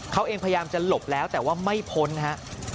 เขาเองพยายามจะหลบแล้วแต่ว่าไม่พ้นฮะ